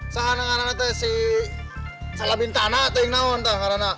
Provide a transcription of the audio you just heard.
seharusnya nanti si salabintana atau yang lain nanti nanti nanti